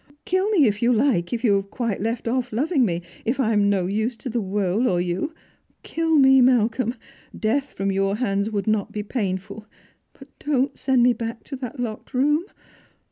Kill me if you like, if you have quite left off loving me, if I am no use to the world or you — kill me, Malcolm ; death from your hands would not be painful — but don't send me back to that locked room